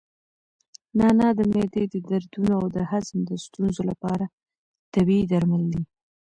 نعناع د معدې د دردونو او د هضم د ستونزو لپاره طبیعي درمل دي.